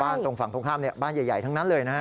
ตรงฝั่งตรงข้ามบ้านใหญ่ทั้งนั้นเลยนะฮะ